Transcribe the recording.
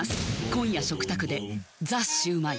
今夜食卓で「ザ★シュウマイ」